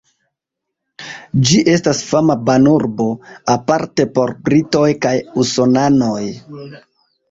Ĝi estas fama banurbo, aparte por britoj kaj usonanoj.